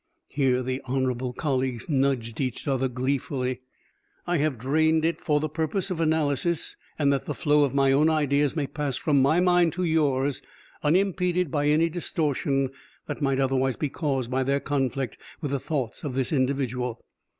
(Here the "honorable colleagues" nudged each other gleefully.) "I have so drained it for the purpose of analysis and that the flow of my own ideas may pass from my mind to yours unimpeded by any distortion that might otherwise be caused by their conflict with the thoughts of this individual.